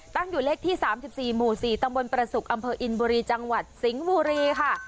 ตั้งอยู่เลขที่๓๔หมู่๔ตำบลประสุกอำเภออินบุรีจังหวัดสิงห์บุรีค่ะ